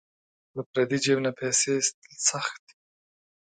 له پردي جیب نه پیسې ایستل سخت دي.